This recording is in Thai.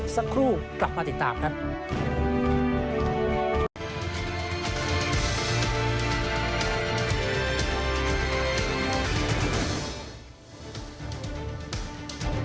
สักครู่กลับมาติดตามครับ